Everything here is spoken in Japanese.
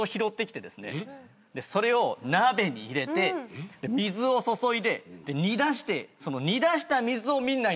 それを鍋に入れて水を注いで煮出して煮出した水をみんなに飲ませてたんですね。